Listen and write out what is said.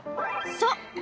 そう。